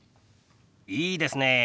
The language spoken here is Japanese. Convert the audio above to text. いいですねえ。